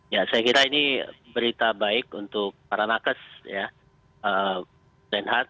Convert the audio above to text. ya saya kira ini berita baik untuk para nakes ya reinhardt